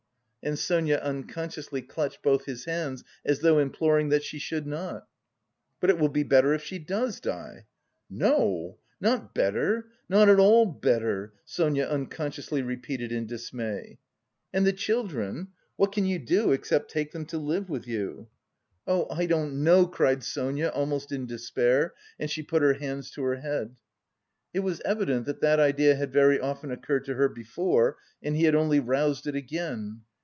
And Sonia unconsciously clutched both his hands, as though imploring that she should not. "But it will be better if she does die." "No, not better, not at all better!" Sonia unconsciously repeated in dismay. "And the children? What can you do except take them to live with you?" "Oh, I don't know," cried Sonia, almost in despair, and she put her hands to her head. It was evident that that idea had very often occurred to her before and he had only roused it again.